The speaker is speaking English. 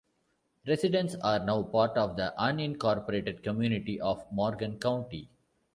Residents are now part of the unincorporated community of Morgan County.